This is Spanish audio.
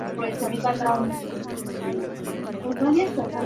E. Sant Andreu se hizo con sus servicios como entrenador.